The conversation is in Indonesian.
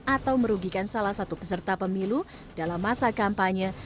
atau merugikan salah satu peserta pemilu dalam masa kampanye